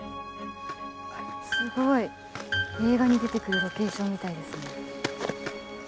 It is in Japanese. すごい映画に出てくるロケーションみたいですね。